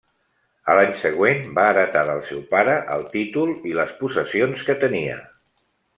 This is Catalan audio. A l'any següent, va heretar del seu pare el títol i les possessions que tenia.